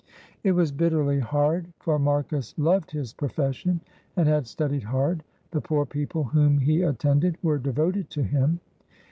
It was bitterly hard, for Marcus loved his profession, and had studied hard. The poor people whom he attended were devoted to him.